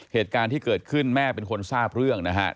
เหตุการณ์ที่เกิดขึ้นแม่เป็นคนทราบเรื่องนะฮะ